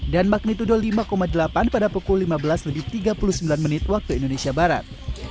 dan magnitudo lima delapan pada pukul lima belas lebih tiga puluh sembilan menit waktu indonesia barat